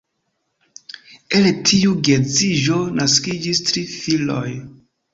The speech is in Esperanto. El tiu geedziĝo naskiĝis tri filoj.